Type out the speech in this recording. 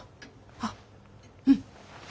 あっうん。